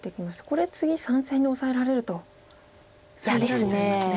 これ次３線にオサえられると破られちゃいますね。